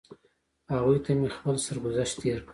هغوی ته مې خپل سرګذشت تېر کړ.